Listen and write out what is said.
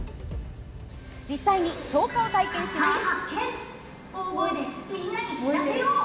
実際に消火を体験します。